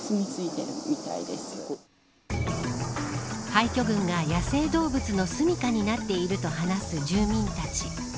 廃墟群が、野生動物のすみかになっていると話す住民たち。